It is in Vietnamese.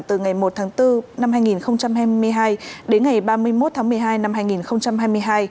từ ngày một tháng bốn năm hai nghìn hai mươi hai đến ngày ba mươi một tháng một mươi hai năm hai nghìn hai mươi hai